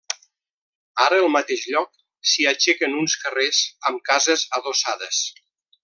Ara, al mateix lloc, s'hi aixequen uns carrers amb cases adossades.